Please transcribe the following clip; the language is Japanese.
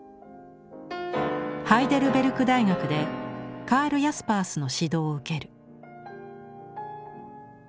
ハイデルベルク大学でカール・ヤスパースの指導を受ける。